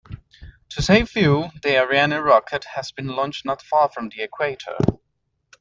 To save fuel, the Ariane rocket has been launched not far from the equator.